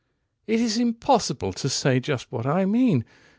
104It is impossible to say just what I mean!